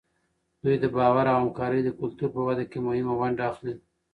دوی د باور او همکارۍ د کلتور په وده کې مهمه ونډه اخلي.